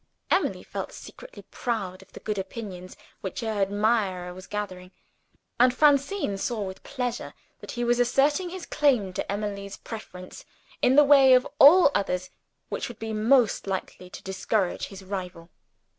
Emily felt secretly proud of the good opinions which her admirer was gathering; and Francine saw with pleasure that he was asserting his claim to Emily's preference, in the way of all others which would be most likely to discourage his rival.